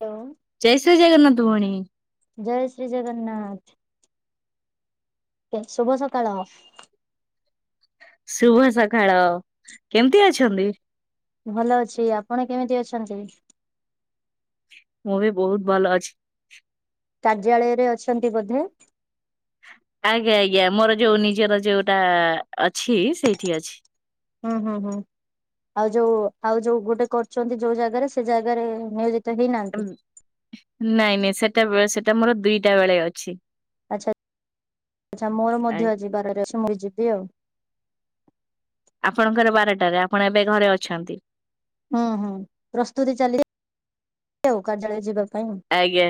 ହ ଜୟ ଶ୍ରୀ ଜଗନ୍ନାଥ ଭଉଣୀ ଜୟ ଶ୍ରୀ ଜଗନ୍ନାଥ କେ ଶୁଭ ସକାଳ। ଶୁଭ ସଖାଳ, କେମିତି ଅଛନ୍ତି? ଭଲ ଅଛି, ଆପଣ କେମିତି ଅଛନ୍ତି? ମୁଁ ବି ବହୁତ ଭଲ ଅଛି। କାର୍ଯ୍ୟାଳୟରେ ଅଛନ୍ତି ବୋଧେ? ଆଜ୍ଞା ଆଜ୍ଞା ମୋର ଯୋଉ ନିଜର ଯୋଉଟା ଅଛି ସେଇଠି ଅଛି। ହୁଁ ହୁଁ ହୁଁ ଆଉ ଯୋଉ ଆଉ ଯୋଉ ଗୋଟେ କରୁଚନ୍ତି ଯୋଉ ଜାଗାରେ ସେ ଜାଗାରେ ନିୟଯି ମ୍ ନାଇଁ ନାଇଁ ସେଟା ବେ ସେଟା ମୋର ଦୁଇଟା ବେଳେ ଅଛି। ଆଚ୍ଛା ଆଚ୍ଛା ମୋର ଆ ମଧ୍ୟ ଆଜି ଯିବାର ରେ ଅଛି ମୁଁ ବି ଯିବି ଆଉ। ଆପଣଙ୍କର ବାରଟାରେ, ଆପଣ ଏବେ ଘରେ ଅଛନ୍ତି? ହୁଁ ହୁଁ ପ୍ରସ୍ତୁତି ଚାଲି ଆଉ କାର୍ଯ୍ୟାଳୟ ଯିବାକୁ। କାଇଁ ଆଜ୍ଞା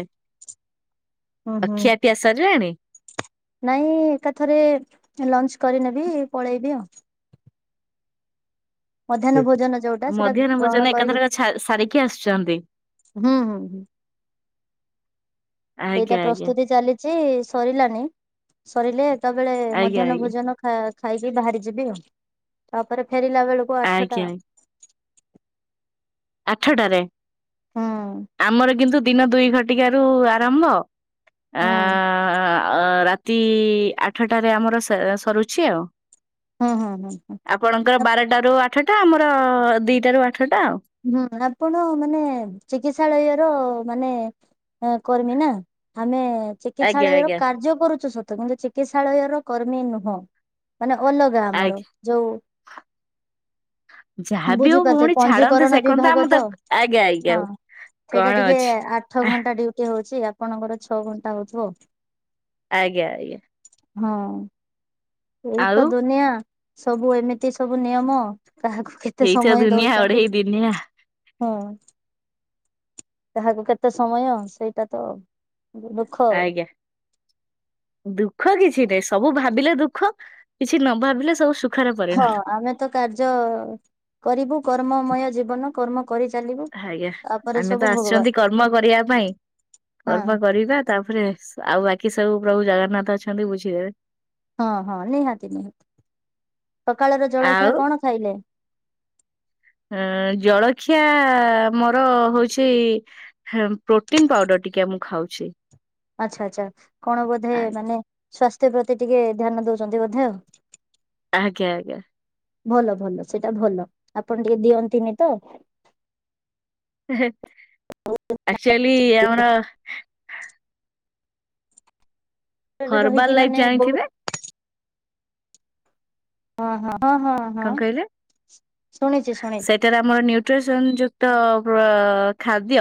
ହୁଁ ଆଉ ହୁଁ। ଖିଆ ପିଆ ସରିଲାଣି? ନାଇଁ ଏକାଥରେ ଲଞ୍ଚ କରିନେବି ପଳେଇବି ଆଉ। ମଧ୍ୟାହ୍ନ ଭୋଜନ ଯୋଉଟା ସେଟା ମଧ୍ୟାହ୍ନ ଭୋଜନ ଗ୍ରହଣ କରିକି ଏକାଥରକେ ଛା ସାରିକି ଆସୁଛନ୍ତି। ହୁଁ ହୁଁ ହୁଁ। ସେଇଟା ଆଜ୍ଞା ଆଜ୍ଞା ପ୍ରସ୍ତୁତି ଚାଲିଛି ସରିଲାନି ସରିଲେ ତବେଳେ ଆଜ୍ଞା ମଧ୍ୟାହ୍ନ ଆଜ୍ଞା। ଭୋଜନ ଖା-ଖାଇକି ବାହାରି ଯିବି ଆଉ, ତାପରେ ଫେରିଲା ବେଳକୁ କୁ ଆଠଟା ଆଜ୍ଞା ଆଠଟାରେ, ହୁଁ ଆମର କିନ୍ତୁ ଦିନ ଦୁଇ ଘଟିକା ରୁ ଆରମ୍ଭ ଆ ହୁଁ ଆ ରାତି ଆଠଟାରେ ଆମର ସ-ସରୁଛି ଆଉ। ହୁଁ ହୁଁ ହୁଁ ହୁଁ। ଆପଣଙ୍କର ବାରଟାରୁ ଆଠଟା, ଆମର ଦିଟାରୁ ଆଠଟା ଆଉ। ହୁଁ ଆପଣ ମାନେ ଚିକିତ୍ସାଳୟର ମାନେ ହଁ କର୍ମୀ ନା ଆମେ ଆଜ୍ଞା ଚିକିତ୍ସାଳୟ ର ଆଜ୍ଞା କାର୍ଯ୍ୟ କରୁଛୁ ସତ କିନ୍ତୁ ଚିକିତ୍ସାଳୟ ର କର୍ମୀ ନୁହଁ। ମାନେ ଅଲଗା ଆମର ଆଜ୍ଞା ଯୋଉ ଯାହାବି ହଉ ବୁଝିପାରୁଛ ଭଉଣୀ ପଞ୍ଜି ଛାଡନ୍ତୁ କରଣ ସେ କଥା ଆମ ବିଭାଗ ତ, ଆଜ୍ଞା ଆଜ୍ଞା ହଁ ସେଇଟା କଣ ଟିକେ ଅଛି। ଆଠ ଘଣ୍ଟା ଡିଉଟି ହଉଛି ଆ ଆପଣଙ୍କର ଛଅ ଘଣ୍ଟା ହଉଥିବ? ଆଜ୍ଞା ଆଜ୍ଞା। ହଁ ଏଇ ଆଉ ତ ଦୁନିଆ। ସବୁ ଏମିତି ସବୁ ନିୟମ କାହାକୁ କେତେ ସମୟ ଦଉଛନ୍ତି! ଇନିଆଁ ହଁ କାହାକୁ କେତେ ସମୟ ସେଇଟା ତ ଦୁଃଖ ଆଉ ଆଜ୍ଞା। ଦୁଃଖ କିଛି ନାହିଁ ସବୁ ଭାବିଲେ ଦୁଃଖ କିଛି ନ ଭାବିଲେ ସବୁ ସୁଖ ଖ ଆମେ ତ କାର୍ଯ୍ୟ କରିବୁ କର୍ମମୟ ଜୀବନ କର୍ମ କରିଚାଲିବୁ ଆଜ୍ଞା ଆମେ ତ ଆସିଛନ୍ତି କର୍ମ କରିବା ପାଇଁ ହଁ କର୍ମ କରିବା ତାପରେ ସ ଆଉ ବାକି ସବୁ ପ୍ରଭୁ ଜଗନ୍ନାଥ ଅଛନ୍ତି ବୁଝିଦେବେ। ହଁ ହଁ ନିହାତି ନିହାତି। ସକାଳର ଆଉ ଜଳଖିଆ କଣ ଖାଇଲେ? ହେଁ ଜଳଖିଆ ମୋର ହଉଛି ହେ ପ୍ରୋଟିନ ପାଉଡର ଟିକେ ମୁଁ ଖାଉଛି। ଆଚ୍ଛା ଆଚ୍ଛା କଣ ବୋଧେ ଆଜ୍ଞା ମାନେ ସ୍ଵାସ୍ଥ୍ୟ ପ୍ରତି ଟିକେ ଧ୍ୟାନ ଦଉଛନ୍ତି ବୋଧେ ଆଉ? ଆଜ୍ଞା ଆଜ୍ଞା। ଭଲ ଭଲ ସେଟା ଭଲ ଆପଣ ଟିକେ ଦିଅନ୍ତିନି ତ। ଆକ୍ଚୁଆଲି ଆମର [inaudible] ରହିକି ହରବାଲ ଲାଇଫ୍ ମାନେ ବହୁତ ଜାଣିଥିବେ? ହଁ ହଁ ହଁ ହଁ। କଣ କହିଲେ ଶୁଣିଛି ଶୁଣିଛି ସେ ସେଥିରେ ଆମର ନ୍ୟୁଟ୍ରିସନ ଯୁକ୍ତ ପ୍ର ଖାଦ୍ୟ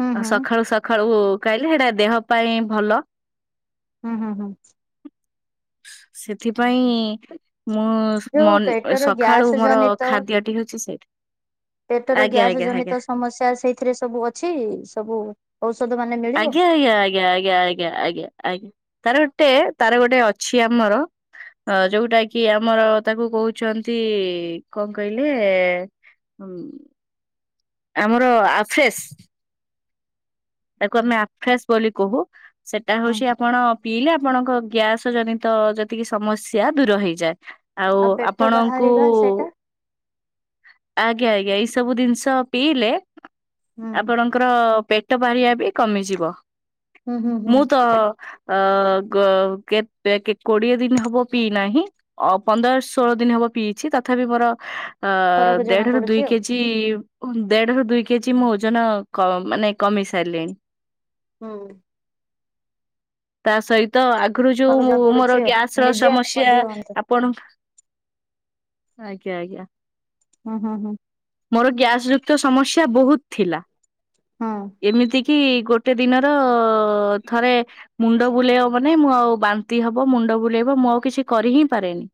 ହୁଁ ହୁଁ ସଖାଳୁ ସ ସଖାଳୁ ଖାଇଲେ ସେଟା ଦେହ ପାଇଁ ଭଲ। ହୁଁ ହୁଁ ହୁଁ। ସେଥିପାଇଁ ମୁଁ ଯୋଉ ମନ୍ ପେଟର ସଖାଳୁ ଗ୍ୟାସ ମୋର ଜନିତ ଖାଦ୍ୟ ଟି ହେଉଚି ସେଇଟା। ପେଟର ଗ୍ୟାସ ଜନିତ ସମସ୍ୟା ସେଇଥିରେ ସବୁ ଅଛି ସବୁ ଔଷଧ ମାନେ ମେ ଆଜ୍ଞା ଆଜ୍ଞା ଆଜ୍ଞା ଆଜ୍ଞା ଆଜ୍ଞା ଆଜ୍ଞା ଆଜ୍ଞା ତାର ଗୋଟେ ତାର ଗୋଟେ ଅଛି ଆମର ଅ ଯୋଉଟା କି ଆମର ତାକୁ କହୁଚନ୍ତି କଣ କହିଲେ ହୁଁ। ଆମର ଆଫେସ୍ ତାକୁ ଆମେ ଆଫ୍ରେସ ବୋଲି କହୁ। ସେଟା ହୁଁ ହଉଛି ଆପଣ ପିଇଲେ ଆପଣଙ୍କ ଗ୍ୟାସ ଜନିତ ଯେତିକି ସମସ୍ୟା ଦୂର ହେଇଯାଏ। ଆଉ ପେଟ ଆପଣଙ୍କୁ ବାହାରିବା ସେଇଟା ଆଜ୍ଞା ଆଜ୍ଞା ଏଇ ସବୁ ଦିନିଷ ପିଇଲେ ହୁଁ ଆପଣ ଙ୍କର ପେଟ ବାହାରିିବା ବି କମିଯିବ ହୁଁ ହୁଁ ହୁଁ ମୁଁ ତ ଅଁ ଗ କେତେ କି କୋଡିଏ ଦିନ ହବ ପିଇ ନାହିଁ। ଅ ପନ୍ଦର, ଷୋହଳ ଦିନ ହବ ପିଇଛି ତଥାପି ମୋର ଅଁ ଫରକ ଜଣା ଦେଢ ରୁ ପଡୁଛି ଦୁଇ ଆଉ କେଜି କି ଦେଢ ରୁ ଦୁଇ କେଜି ମୁଁ ଓଜନ କ ମାନେ କମେଇ ସାରିଲିଣି। ହଁ। ତା ସହିତ ଆଗରୁ ଫରକ ଯୋଉ ଜଣା ମୋର ପଡୁଛି ଆଉ ଗ୍ୟାସ ର ନିଜେ ଆମେ ସମସ୍ୟା ମଧ୍ୟ ହୁଅନ୍ତୁ। ଆ ପଣଙ୍କ ଆଜ୍ଞା ଆଜ୍ଞା। ହଁ ହଁ ହଁ। ମୋର ଗ୍ୟାସ ଯୁକ୍ତ ସମସ୍ୟା ବହୁତ୍ ଥିଲା। ହଁ। ଏମିତି କିି ଗୋଟେ ଦିନର ଥରେ ମୁନ୍ ମୁଣ୍ଡ ବୁଲେଇବ ମାନେ ମୁଁ ଆଉ ବାନ୍ତି ହବ ମୁଣ୍ଡ ବୁଲେଇବ ମୁଁ ଆଉ କିଛି କରି ହିଁ ପାରେନି।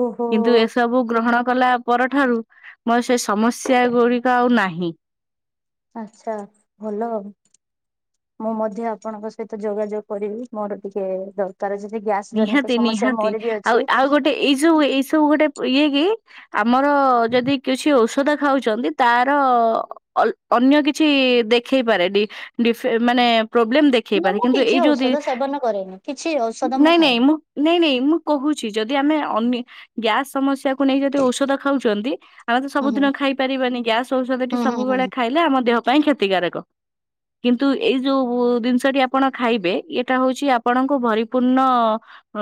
ଓହୋ କିନ୍ତୁ ଏସବୁ ଗ୍ରହଣ କଲା ପରଠାରୁ ମୋର ସେ ସମସ୍ୟା ଗୁଡି ଆଉ ନାହିଁ। ଆଚ୍ଛା ଭଲ ଆହୁ। ମୁଁ ମଧ୍ୟ ଆପଣଙ୍କ ସହିତ ଯୋଗାଯୋଗ କରିବି ମୋର ଟିକେ ଦର କାର ଯଦି ଗ୍ୟାସ ଜନିତ ନିହାତି ସମସ୍ୟା ନିହାତି ମୋର ବି ଆଉ ଅଛି। ଆଉ ଗୋଟେ ଏଇ ସବୁ ଏଇ ସବୁ ଗୋଟେ ଇଏ କି ଆମର ଯଦି କିଛି ଔଷ ଔଷଧ ଖାଉଛନ୍ତି ତାର ଅଲ୍ ଅନ୍ୟ କିଛି ଦେଖେଇପାରେ ଡି ଡିଫେ ମାନେ ପ୍ରୋବ୍ଲେମ ଦେ ନା ଖେଇପାରେ ମୁଁ କିନ୍ତୁ କିଛି ଏଇ ଯୋଉ ଦି ଔଷଧ ସେବନ କରେନି। କିଛି ଔଷ୍ ନାଇଁ ନାଇଁ ମୁଁ ନାଇଁ ନାଇଁ ମୁଁ କହୁଛି ଯଦି ଆମେ ଅନି ଗ୍ୟାସ ସମସ୍ୟା କୁ ନେଇ ଯଦି ଔଷଧ ଖାଉଛନ୍ତି ଆମେ ତ ହୁଁ ସବୁ ହୁଁ ଦିନ ଖାଇ ପାରିବାନି ଗ୍ୟାସ ଔଷଧ ଟି ହୁଁ ହୁଁ ହୁଁ ସବୁବେଳେ ଖାଇ ନା ଆମ ଦେହ ପାଇଁ କ୍ଷତିକାରକ। କିନ୍ତୁ ଏଇ ଯୋଉ ଉ, ଜିନିଷଟି ଆପଣ ଖାଇବେ ଏଟା ହଉଛି ଆପଣଙ୍କୁ ଭରି ପୂର୍ଣ୍ଣ ଅ,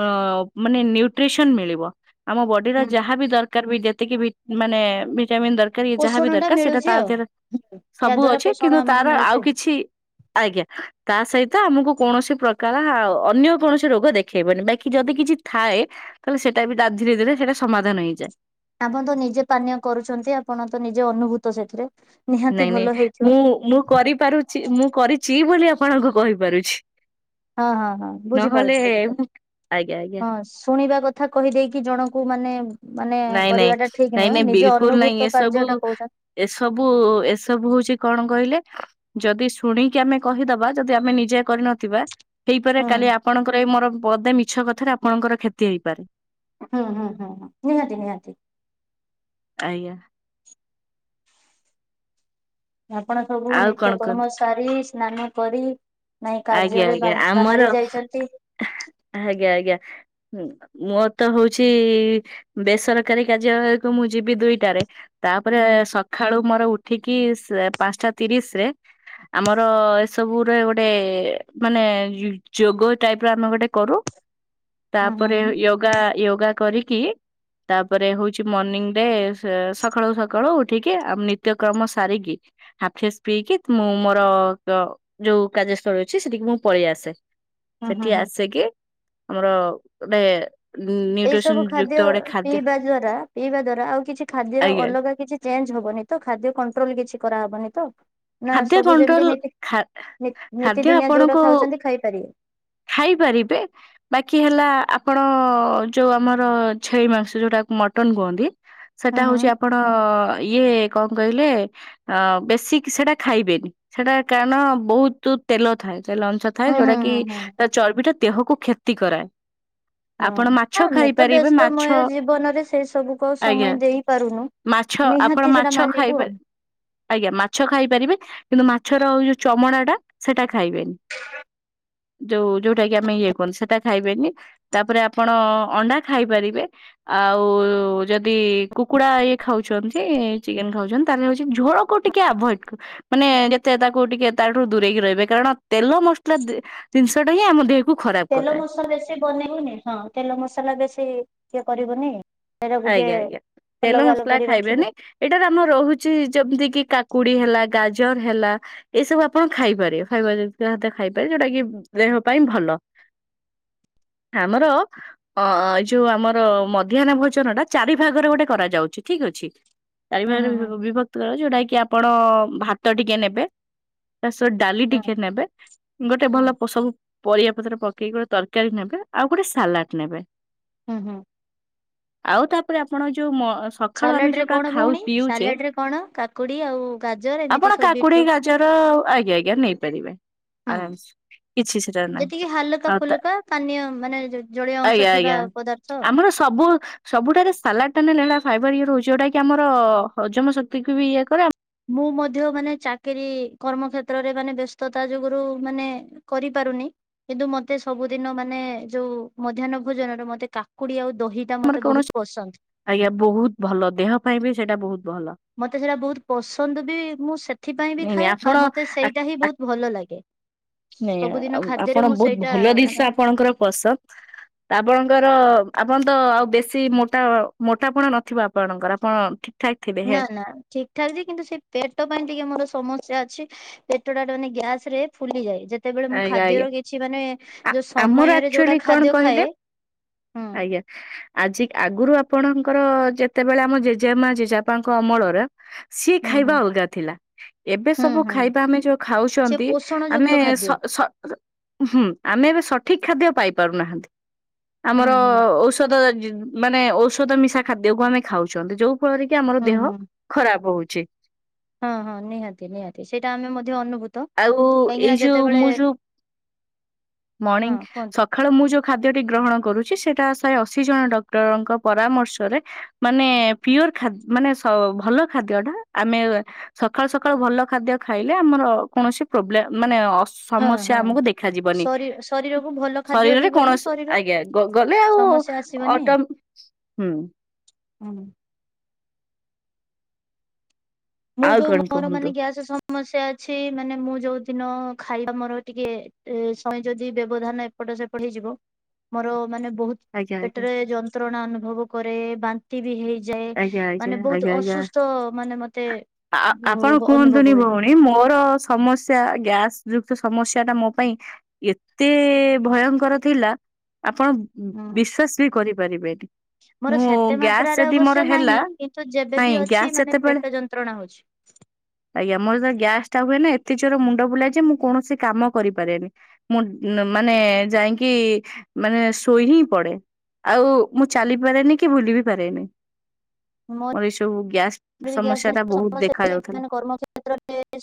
ମାନେ ନିଉଟ୍ରିସନ୍ ମିଳିବ। ଆମ ବଡ଼ିର ହୁଁ ହୁଁ ଯାହା ବି ଦର କାର ବି ଯେତିକି ଭି-ମାନେ ଭିଟାମିନ ଦର କାରି ଯାହା ବି ପୋଷଣ ଟା ଦରକାର ସେଟା ମିଳୁଛି ତା ଆଉ। ଧିଅରେ ହୁଁ ଏହା ସବୁ ଦ୍ଵାରା ଅଛି ପୋଷଣ କିନ୍ତୁ ଆମକୁ ତାର ମିଳୁଛି। ଆଉ କିଛି ଆଜ୍ଞା ତା ସହିତ ଆମକୁ କୌଣସି ପ୍ରକାର ହାଉ ଅନ୍ୟ କୌଣସି ସି ରୋଗ ଦେଖେଇବନି। ବାକି ଯଦି କିଛି ଥାଏ ତାହେଲେ ସେଟା ବି ଦା-ଧୀରେ ଧୀରେ ସେଟା ସମାଧାନ ହେଇଯାଏ। ଆପଣ ତ ନିଜେ ପାନୀୟ କରୁଛନ୍ତି ଆପଣ ତ ନିଜେ ଅନୁଭୂତ ସେଥିରେ। ନିହାତି ନାଇଁ ଭଲ ନାଇଁ ହେଇଥିବ ମୁଁ ମୁଁ କରିପାରୁଛି ମୁଁ କରିଛି ବୋଲି ଆପଣଙ୍କୁ କହିପାରୁଛି। ହଁ, ହଁ, ହଁ ନହେଲେ ବୁଝିପାରୁଛି ବୁଝିପାରୁ ଆଜ୍ଞା ଆଜ୍ଞା। ହଁ ଶୁଣିବା କ ଥା କହିଦେଇକି ଜଣଙ୍କୁ ମାନେ ମାନେ ନାଇଁ ନାଇଁ କରିବାଟା ଠିକ ନାଇଁ ନୁହଁ। ନାଇଁ ନିଜ ବିଲକୁଲ ନାଇଁ ଅନୁଭୂତ ଏସବୁ କାର୍ଯ୍ୟ ଟା କହୁଛନ୍ ଏସବୁ ଏସବୁ ହଉଛି କଣ କହିଲେ ଯଦି ଶୁଣିକି ଆମେ କହିଦବା ଯଦି ଆମେ ନିଜେ କରିନଥିବା ହେଇପାରେ ହୁଁ। କାଲି ଆପଣଙ୍କର ଏଇ ମୋର ପଦେ ମିଛ କଥାରେ ଆପଣଙ୍କର କ୍ଷତି ହେଇପାରେ। ହଁ, ହଁ, ହଁ, ହଁ ନିହାତି ନିହାତି। ଆଜ୍ଞା। ଆପଣ ସବୁ ଆଉ କଣ ନିତ୍ୟ କର୍ମ କୁହନ୍ତୁ ସାରି ସ୍ନାନ କରି ନାଇଁ ଆଜ୍ଞା କାର୍ଯ୍ୟରେ ଆଜ୍ଞା ଆମର ବା-ବାହାରି ଯାଇଛନ୍ତି। ଆଜ୍ଞା, ଆଜ୍ଞା ଉଁ, ମୋ ତ ହଉଛି ବେସରକାରୀ କାର୍ଯ୍ୟାଳୟକୁ ମୁଁ ଯିବି ଦୁଇଟାରେ। ତାପରେ ହୁଁ ସ ଖାଳୁ ମୋର ଉଠିକି ସେ ପାନ୍ସଟା ତିରିଶ ରେ ଆମର ଏସବୁରେ ଗୋଟ ଟେ ମାନେ ଯୋଗ ଟାଇପ୍ ର ଆମେ ଗୋଟେ କରୁ। ହୁଁ ହୁଁ ତାପରେ ହୁଁ ୟୋଗା ୟୋଗା କରିକି ତାପରେ ହଉଛି ମର୍ନିଂ ରେ ସେ ସକାଳୁ ସକାଳୁ ଉଠିକି ଆମ ନିତ୍ୟକ୍ରମ ସାରିକି। ହାଫିସ୍ ପିଇକି ମୁଁ ମୋର ଅ, ଯୋଉ କାର୍ଯ୍ୟସ୍ଥଳୀ ଅଛି ସେଠିକି ମୁଁ ପଳେଇ ଆସେ। ହୁଁ ସେଠି ହୁଁ ହୁଁ। ଆସିକି ଆମର ଡେ ଏଇ ସବୁ ଖାଦ୍ୟ ପିଇବା ଜ୍ବରା ପିଇବା ଦ୍ଵାରା ଆଉ କିଛି ଖାଦ୍ୟର ଆଜ୍ଞା ଅଲଗା କିଛି ଚେଞ୍ଜ ହବନି ତ ଖାଦ୍ୟ କଣ୍ଟ୍ରୋଲ୍ କିଛି କରାହବନି ତ? ନା ଖାଦ୍ୟ ସବୁ ଯେମିତି କଣ୍ଟ୍ରୋଲ ନିତି ଖା ଖାଦ୍ୟ ନି-ନିତିଦିନିଆ ଯୋଉଟା ଆପଣଙ୍କୁ ଖାଉଛନ୍ତି ଖାଇପାରିବେ? ଖାଇପାରିବେ। ବାକି ହେଲା ଆପଣ ଯୋଉ ଆମର ଛେଳି ମାଂସ ଯୋଉଟାକୁ ମଟନ୍ କୁହନ୍ତି। ହୁଁ ସେଟା ହୁଁ। ହଉଛି ଆପଣ ଇଏ କଣ କହିଲେ ଅଁ, ବେଶୀକି ସେଟା ଖାଇବେନି। ସେଟା କାରଣ ବହୁତୁ ତେଲ ଥାଏ। ତେଲ ଅଂଶ ଥାଏ ହୁଁ ଯୋଉଟା ହୁଁ କି ହୁଁ ହୁଁ ଏ ଚର୍ବିଟା ଦେହକୁ କ୍ଷତି କରାଏ। ହଁ ଆପଣ ମାଛ ଆମେ ତ ଖାଇପାରିବେ ମାଛ ବ୍ୟସ୍ତମୟ ଜୀବନରେ ସେଇ ସବୁକୁ ଆଉ ଆଜ୍ଞା ସମୟ ଦେଇ ପାରୁନୁ। ମାଛ ନିହାତି ଆପଣ ସେଟା ମାଛ ମାନିବୁ ଖାଇବେ। ଆଉ। ଆଜ୍ଞା ମାଛ ଖାଇପାରିବେ କିନ୍ତୁ ମାଛର ଯୋଉ ଚମଡ଼ା ଟା ସେଟା ଖାଇବେ। ଯୋଉ ଯୋଉଟା କି ଆମେ ଇଏ କରୁନୁ ସେଟା ଖାଇବେନି। ତାପରେ ଆପଣ ଅଣ୍ଡା ଖାଇପାରିବେ। ଆଉ ଯଦି କୁକୁଡା ଇଏ ଖାଉଛନ୍ତି ଚିକେନ୍ ଖାଉଛନ୍ତି ତାହେଲେ ହଉଛି ଝୋଳ କୁ ଟିକେ ଆଭଏଡ କର। ମାନେ ଯେତେ ତାକୁ ଟିକେ ତାଠାରୁ ଦୂରେଇକି ରହିବେ। କାରଣ ତେଲ ମସଲା ଦି- ଜିନିଷ ଟା ହିଁ ଆମ ଦେହ ତେଲ ମସଲା ବେଶୀ ବନେଇବୁନି ହଁ ତେଲ ମସଲା ବେଶୀ ଇଏ କରିବୁନି। ସେଇଟା ଟିକେ ଆଜ୍ଞା ଆଜ୍ଞା ତେଲ ଅଲଗା ଅଲଗା ମସଲା କରି ରଖିବୁ। ଖାଇବେନି ଏଇଟାରେ ଆମ ରହୁଛି ଯେମିତି କିି କାକୁଡି ହେଲା ଗାଜର ହେଲା। ଏଇ ସବୁ ଆପଣ ଖାଇପାରିବ ଖାଇବା ଖାଇପାର ଯୋଉଟା କି ଦେହ ପାଇଁ ଭଲ। ଆମର ଅ ଯୋଉ ଆମର ମଧ୍ୟାହ୍ନ ଭୋଜନ [unintelligible] ଚାରି ଭାଗରେ ଗୋଟେ କରାଯାଉଛି ଠିକ୍ ଅଛି? ହୁଁ ହୁଁ ଚାରିପାଗରେ ହୁଁ ବିଭକ୍ତି ଯୋଉଟା କିି ଆପଣ ଭାତ ଟିକେ ନେବେ କେଶର ଡାଲି ହୁଁ ଟିକେ ନେବା ଗୋଟେ ଭଲ ହୁଁ। ସବୁ ପରିବା ପତ୍ର ପକେଇକି ଗୋଟେ ତରକାରୀ ନେବେ ଆଉ ଗୋଟେ ସାଲାଡ ନେବେ। ହୁଁ ହୁଁ। ଆଉ ତାପରେ ଆପଣ ଯୋଉ ମ ସକାଳୁ ଆମେ ସାଲାଡ ରେ ଯୋଉଟା କଣ ଖାଉ ଭଉଣୀ ପିଉଛେ ସାଲାଡ ରେ କଣ କାକୁଡି ଆଉ ଗାଜର ଆପଣ ଏମିତି ସବୁବିଟ୍ କାକୁଡି ଗାଜର ଆଜ୍ଞା ଆଜ୍ଞା ନେଇପାରିବେ ହୁଁ ଆରାମସେ। କିଛି ସେଟା ଯେତିକି ହାଲୁକା ଫୁଲୁକା ପାନୀୟ ମାନେ ଜଳୀୟ ଆଜ୍ଞା ଅଂଶ ଆଜ୍ଞା ଥିବା ପଦାର୍ଥ। ଆଉ। ଆମର ସବୁ ସବୁଠାରୁ ସାଲାଡ ଟାନେ ଲେଳା ଫାଇବର ଇ ରହୁଛି ଯୋଉଟା କି ଆମର ହଜମ ଶକ୍ତିକୁ ବି ଇଏ କରେ। ମୁଁ ମଧ୍ୟ ମାନେ ଚାକିରୀ କର୍ମ ଷେତ୍ରରେ ମାନେ ବ୍ୟସ୍ତତା ଯୋଗୁରୁ ମାନେ କରିପାରୁନି। କିନ୍ତୁ ମତେ ସବୁଦିନ ମାନେ ଯୋଉ ମଧ୍ୟାହ୍ନ ଭୋଜନରେ ମତେ କାକୁଡି ଆଉ ଦହି ଟା ଆମର ମତେ ବହୁତ କୌଣସି ପସନ୍ଦ। ଆଜ୍ଞା ବହୁତ ଭଲ ଦେହ ପାଇଁ ବି ସେଇଟା ବହୁତ ଭଲ। ମତେ ସେଇଟା ବହୁତ ପସନ୍ଦ ବି ମୁଁ ସେଥିପାଇଁ ବି ନାଇଁ ନାଇଁ ଖାଏ ଆପଣ ଆଉ ମତେ ସେଇଟା ହିଁ ବହୁତ ଭଲ ଲାଗେ। ନ ସବୁଦିନ ଖାଦ୍ୟରେ ଆପଣ ମୁଁ ବହୁତ ସେଇଟା ଭଲ ମାନେ ଜିନିଷ ଆପଣଙ୍କର ପସନ୍ଦ। [inaudible] ଆପଣଙ୍କର ଆପଣ ତ ଆଉ ବେଶୀ ମୋଟା ମୋଟାପଣା ନଥିବ ଆପଣଙ୍କର ଆପଣ ଠାକ ଥିବେ ନା ହେ ନା ଠିକ ଠାକ୍ ଯେ କିନ୍ତୁ ସେ ପେଟ ପାଇଁ ଟିକେ ମୋର ସମସା ଅଛି। ପେଟଟାଟି ଗ୍ୟାସ ରେ ଫୁଲିଯାଏ। ସେତେବେଳେ ମୁଁ ଆଜ୍ଞା ଆଜ୍ଞା ଖାଦ୍ୟର କିଛି ମାନେ ଆ- ଯୋଉ ଆମର ସମୟରେ ଯୋଉଟା ଆକ୍ଚୁଆଲି କଣ ଖାଦ୍ୟ କହିଲେ ଖାଏ। ହୁଁ ଆଜ୍ଞା!। ଆଜି ଆଗରୁ ଆପଣଙ୍କର ଯେତେବେଳେ ଆମ ଜେଜେମା ଜେଜେପାଙ୍କ ଅମଳ ର ସିଏ ହୁଁ ହୁଁ ଖାଇବା ଅଲଗା ଥିଲା। ଏବେ ହୁଁ ସବୁ ହୁଁ ଖାଇବା ଆମେ ଯୋଉ ସେ ଖାଉଛନ୍ତି ପୋଷଣ ଆମେ ଯୁକ୍ତ ଖାଦ୍ୟ ସ ସ ଆମେ ସଠିକ ଖାଦ୍ୟ ପାଇ ପାରୁ ନାହାନ୍ତି ଆମର ହୁଁ ହୁଁ ଓଷଧ ଔଷଧ ମାନେ ଔଷଧ ମିଶା ଖାଦ୍ୟକୁ ଆମେ ଖାଉଛନ୍ତି ଯୋଉ କରିକି ଆମର ହୁଁ ଦେହ ହୁଁ। ଖରାପ ହଉଛି। ହଁ ହଁ ନିହାତି ନିହାତି ସେଇଟା ଆମେ ମଧ୍ୟ ଅନୁଭୂତି ଆଉ ଏଇ ଯୋଉ ମୁଁ ଯୋଉ ହଁ ମଣିଂ ଶ୍ କୁହନ୍ତୁ। ସକାଳୁ ମୁଁ ଯୋଉ ଖାଦ୍ୟଟି ଗ୍ରହଣ କରୁଛି ସେଇଟା ଶହେ ଅଶୀ ଜଣ ଡକ୍ଟରଙ୍କ ପରାମର୍ଶରେ ମାନେ ପିଓର ମାନେ ଭଲ ଖାଦ୍ୟ ଟା ଆମେ ସକାଳୁ ସକାଳୁ ଭଲ ଖାଦ୍ୟ ଖାଇଲେ ଆମର କୌଣସି ପ୍ରୋବ୍ଲେ ମାନେ ହଁ ସମସ୍ୟା ହଁ ଆମକୁ ଦେଖାଯିବନି ଶରୀ ଶରୀରକୁ ଭଲ ଖାଦ୍ୟ ଶରୀରରେ ହେଇଗଲେ କୌଣସି ଶରୀର ଆଜ୍ଞା ଗଲେ ଆଉ ସମସ୍ୟା ଆସିବନି ଅଟୋ ହୁଁ। ହୁଁ। ମୁଁ ଆଉ ଯୋଉ କଣ ମୋର କୁହନ୍ତୁ? ମାନେ ଗ୍ୟାସ ସ ସମସ୍ୟା ଅଛି ମାନେ ମୁଁ ଯୋଉ ଦିନ ଖାଇବା ମୋର ଟିକେ ଯଦି ବ୍ୟବଧାନ ଏପଟ ସେପଟ ହେଇଯିବ ମୋର ମାନେ ବହୁତ ଆଜ୍ଞା ଆଜ୍ଞା ପେଟରେ ଯନ୍ତ୍ରଣା ଅନୁଭବ କରେ ବା ବାନ୍ତି ହେଇଯାଏ ଆଜ୍ଞା ଆଜ୍ଞା ମାନେ ବହୁତ ଆଜ୍ଞା ଆଜ୍ଞା। ଅସୁସ୍ଥ ମାନେ ମତେ ଆ ଆପଣ କୁହନ୍ତୁ ଅନୁଭବ ହୁଏ ଭୁଲ। ମୋର ସମସ୍ୟା ଗ୍ୟାସ ଯୁକ୍ୟ ସମସ୍ୟା ଟା ମୋ ପାଇଁ ଏତେ ଭୟଙ୍କର ଥିଲା ଆପଣ ହୁଁ। ବିଶ୍ୱାସ କରିପାରିବେନି ମୋର ମୁଁ ସେତେ ଗ୍ୟାସ ମାତ୍ରାରେ ମୋର ଅବଶ୍ୟ ହେଲା ନାହିଁ କିନ୍ତୁ ନାଇଁ ଯେବେବି ଅଛି ଗ୍ୟାସ ମାନେ ଯେତେବେଳେ ପେଟ ଯନ୍ତ୍ରଣା ହଉଛି। ଆଜ୍ଞା ମୋର ଏବେ ଗ୍ୟାସ ଟା ହୁଏ ନା ଏତେ ଜୋରସେ ମୁଣ୍ଡ ବୁଲା ଯେ ମୁ କୌଣସି କାମ କରିପାରେନି। ମୁଁ ମାନେ ଯାଇକି ମାନେ ଶୋଇ ହିଁ ପଡେ। ଆଉ ମୁଁ ଚାଲି ପାରେନି କି ଭୁଲି ବି ପାରେନି। [inaudible] ମର ଏ ସବୁ ଗ୍ୟାସ୍ ଗ୍ୟା ସମସି ଅଛି ମାନ କର୍ମ କେତ୍ରରେ [unintelligible]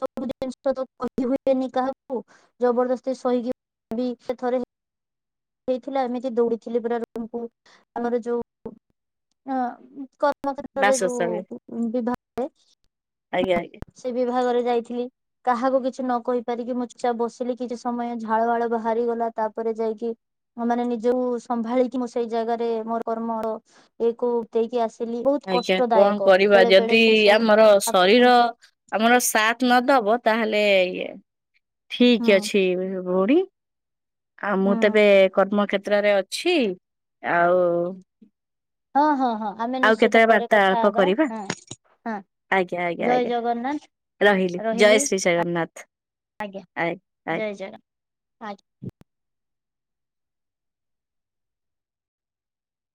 ସବୁ ଜିନିଷ ତ କହି ହୁଏନି କାହାକୁ ଜବରଦସ୍ତି ସହିକି ସେ ଥରେ ହାଇଥିଲା ଏମିତି ଦୌଡି ଥିଲି ପୁରା ରୁମକୁ ଆମର ଯୋଉ [unintelligible] ମ କ୍ଷେତ୍ରରେ ଦାସ ଆଜ୍ଞା ଯୋଉ ବିଭାଗ [unintelligible] ଆଜ୍ଞା। ସେ ବିଭାଗରେ ଯାଇଥିଲି। କାହାକୁ କିଛି ନ କହି ପାରିକି ମୁଁ ଚୁପ ଚାପେ ବସିଲି କିଛି ସମୟ ଝାଳ ହାଳ ବାହାରିଗଲା ତାପରେ ଯାଇକି। ମାନେ ନିଜକୁ ସମ୍ଭାଳିକି ମୁଁ ସେଇ ଜାଗାରେ ମୋର କର୍ମର ଇଏକୁ ଦେଇକି ଆସିଲି ବହୁତ ଆଜ୍ଞା କଷ୍ଟ କଣ ଦାୟକ କରିବା ବେଳେ ବେଳେ ଯଦି ସେ ସବୁ। ଆମର ଆପଣ ଶରୀର ଆମର ସାଥ ନଦବ ତାହେଲେ ଇଏ ଠିକ ହୁଁ। ଅଛି ଭଉଣୀ। ଆଉ ହୁଁ ମୁଁ ତେବେ କର୍ମକ୍ଷେତ୍ରରେ ଅଛି ଆଉ ହଁ ହଁ ହଁ। ଆମେ ଆଉ କେତେ ନିଶ୍ଚିତ ବେଳେ ପରେ ବାର୍ତ୍ତା କଥା ଆଳାପ ହବା କରିବା। ହଁ ହଁ ଆଜ୍ଞା ଆଜ୍ଞା ଜୟ ଆଜ୍ଞା ଜଗନ୍ନାଥ ରହିଲି ଜୟ ଶ୍ରୀ ଜଗନ୍ନାଥ। ଆଜ୍ଞା ଆ। ଜୟ ଜଗନ୍ନାଥ।